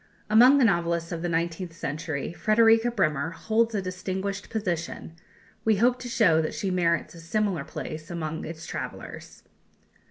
Among the novelists of the nineteenth century Frederika Bremer holds a distinguished position; we hope to show that she merits a similar place among its travellers.